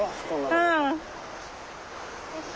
うん。